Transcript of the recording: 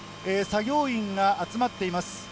作業員が集まっています。